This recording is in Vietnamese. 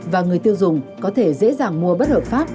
và người tiêu dùng có thể dễ dàng mua bất hợp pháp